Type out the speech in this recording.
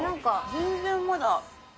全然まだ。